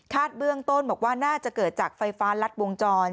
เบื้องต้นบอกว่าน่าจะเกิดจากไฟฟ้ารัดวงจร